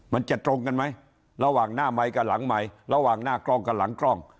มันจะตรงกันไหมระหว่างหน้าไมค์กับหลังใหม่ระหว่างหน้ากล้องกับหลังกล้อง